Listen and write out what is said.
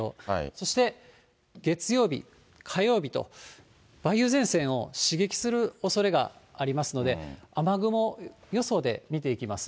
そして月曜日、火曜日と、梅雨前線を刺激するおそれがありますので、雨雲予想で見ていきま